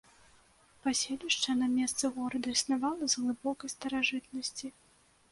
Паселішча на месцы горада існавала з глыбокай старажытнасці.